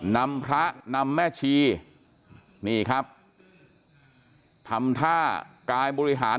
นำพระนำแม่ชีนี่ครับทำท่ากายบริหาร